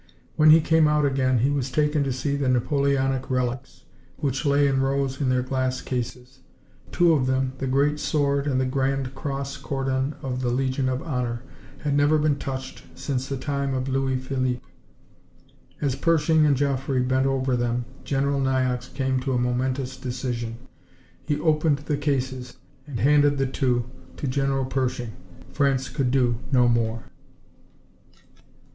When he came out again he was taken to see the Napoleonic relics, which lay in rows in their glass cases. Two of them, the great sword and the Grand Cross cordon of the Legion of Honor, had never been touched since the time of Louis Philippe. As Pershing and Joffre bent over them General Niox came to a momentous decision. He opened the cases and handed the two to General Pershing. France could do no more.